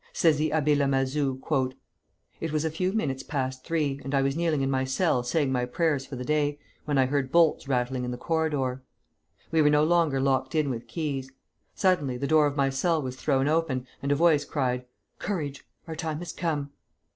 Says the Abbé Lamazou, "It was a few minutes past three, and I was kneeling in my cell saying my prayers for the day, when I heard bolts rattling in the corridor. We were no longer locked in with keys. Suddenly the door of my cell was thrown open, and a voice cried: 'Courage! our time has come.'